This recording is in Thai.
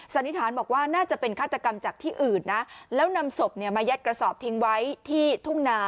สันนิษฐานบอกว่าน่าจะเป็นฆาตกรรมจากที่อื่นนะแล้วนำศพเนี่ยมายัดกระสอบทิ้งไว้ที่ทุ่งนา